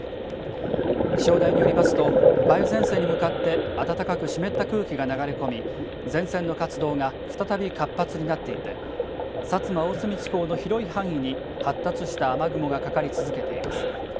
気象台によりますと梅雨前線に向かって暖かく湿った空気が流れ込み前線の活動が再び活発になっていて薩摩、大隅地方の広い範囲に発達した雨雲がかかり続けています。